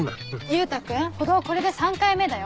優太君補導これで３回目だよ。